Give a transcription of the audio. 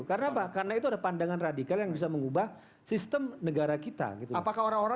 karena apa karena itu ada pandangan radikal yang bisa mengubah sistem negara kita